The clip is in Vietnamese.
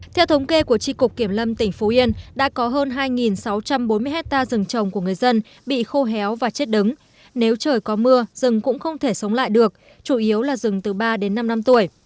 theo thống kê của tri cục kiểm lâm tỉnh phú yên đã có hơn hai sáu trăm bốn mươi hectare rừng trồng của người dân bị khô héo và chết đứng nếu trời có mưa rừng cũng không thể sống lại được chủ yếu là rừng từ ba đến năm năm tuổi